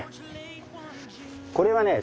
これはね